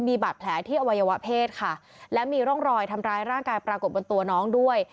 มีบาดแผลที่อวัยวะเพศค่ะและมีร่องรอยทำร้ายร่างกายปรากฏบนตัวน้องด้วย